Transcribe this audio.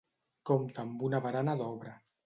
Compta amb una barana d'obra.